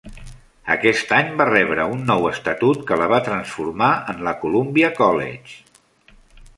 Aquest any va rebre un nou estatut que la va transformar en la Columbia College.